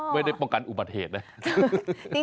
ไม่ได้ป้องกันอุบัติเหตุนะ